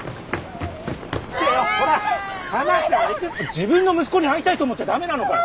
自分の息子に会いたいと思っちゃダメなのかよ！